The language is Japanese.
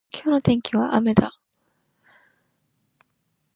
今日の天気は雨だ。